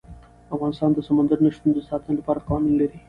افغانستان د سمندر نه شتون د ساتنې لپاره قوانین لري.